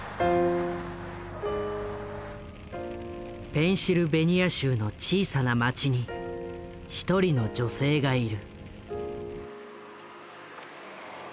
ペンシルベニア州の小さな町に一人の女性がいる。